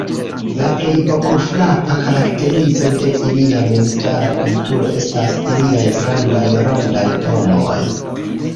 La plej okulfrapa karakterizo de ilia memstara kulturo estas iliaj grandaj, rondaj domoj.